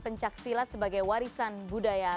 pencaksilat sebagai warisan budaya